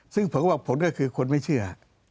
ซึ่งผมก็ว่าผลก็คือคนไม่เชื่อ